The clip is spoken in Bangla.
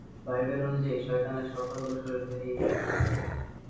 বাইবেল অনুযায়ী, শয়তানের সকল দোসরের দেহেই এই চিহ্ন থাকবে!